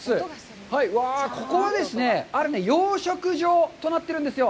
わあ、ここはですね、ある養殖場となっているんですよ。